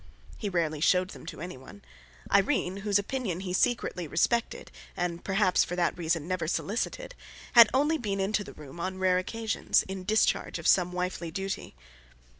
He rarely showed them to anyone; Irene, whose opinion he secretly respected and perhaps for that reason never solicited, had only been into the room on rare occasions, in discharge of some wifely duty.